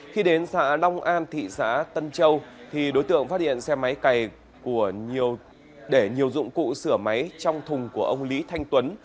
khi đến xã long an thị xã tân châu thì đối tượng phát hiện xe máy cày để nhiều dụng cụ sửa máy trong thùng của ông lý thanh tuấn